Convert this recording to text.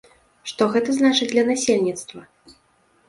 Што гэта значыць для насельніцтва?